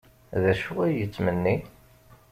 D acu ay yettmenni?